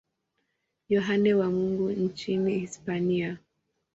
Yohane wa Mungu nchini Hispania.